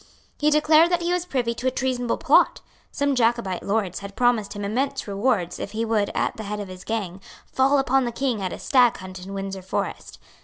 He declared that he was privy to a treasonable plot. Some Jacobite lords had promised him immense rewards if he would, at the head of his gang, fall upon the King at a stag hunt in Windsor Forest.